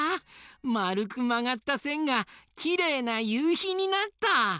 まるくまがったせんがきれいなゆうひになった！